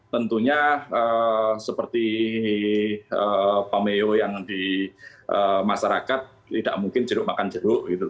tentunya seperti pameo yang di masyarakat tidak mungkin jeruk makan jeruk gitu